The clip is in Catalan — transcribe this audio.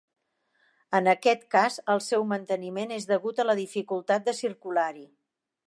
En aquest cas el seu manteniment és degut a la dificultat de circular-hi.